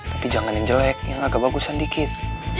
tapi jangan yang jelek yang agak bagus sedikit